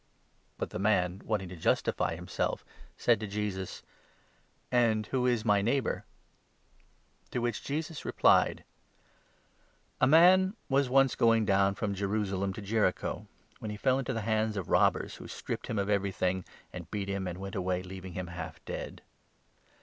But the man, wanting to justify himself, said to Jesus :" And 29 who is my neighbour ?" To which Jesus replied : 30 The Good " A man was once going down from Jerusalem Samaritan, to Jericho when he fell into the hands of robbers, who stripped him of everything, and beat him, and went away leaving him half dead.